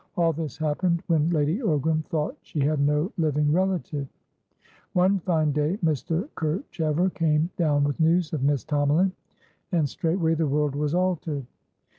"All this happened when Lady Ogram thought she had no living relative. One fine day, Mr. Kerchever came down with news of Miss Tomalin, and straightway the world was altered.